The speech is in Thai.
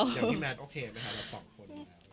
พี่แมทโอเคไหมคะรับสองคน